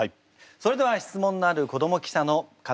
それでは質問のある子ども記者の方挙手をお願いします。